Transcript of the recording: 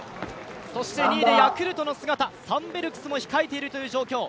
そして２位でヤクルトの姿、サンベルクスも控えている状況。